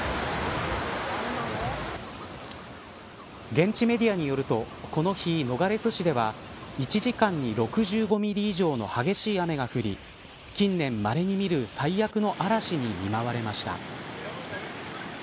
現地メディアによるとこの日、ノガレス市では１時間に６５ミリ以上の激しい雨が降り近年まれに見る最悪の嵐に見舞われました。